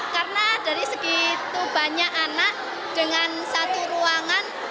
karena dari segitu banyak anak dengan satu ruangan